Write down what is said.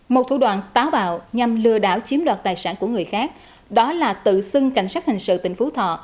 một thủ đoạn táo bạo nhằm lừa đảo chiếm đoạt tài sản của người khác đó là tự xưng cảnh sát hình sự tỉnh phú thọ